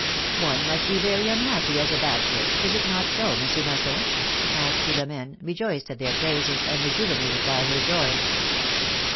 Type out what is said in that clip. '^ "One must be very unhappy as a bachelor, is it not so. Monsieur Masson asked Philom^ne, rejoiced at their praises and rejuvenated by her joy.